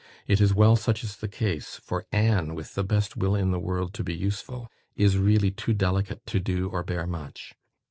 It is well such is the case; for Anne, with the best will in the world to be useful, is really too delicate to do or bear much.